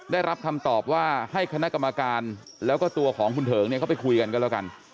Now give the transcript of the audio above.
ได้รับคำตอบว่าให้คณะกรรมการแล้วก็ตัวของคุณเถิงเนี่ยเขาไปคุยกันก็แล้วกัน